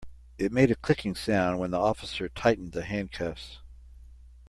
It made a clicking sound when the officer tightened the handcuffs.